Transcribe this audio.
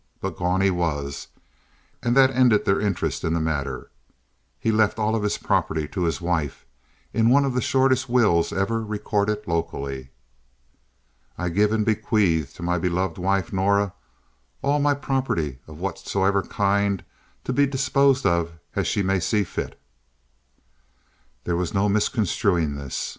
But gone he was, and that ended their interest in the matter. He left all of his property to his wife in one of the shortest wills ever recorded locally. "I give and bequeath to my beloved wife, Norah, all my property of whatsoever kind to be disposed of as she may see fit." There was no misconstruing this.